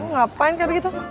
ngapain kayak begitu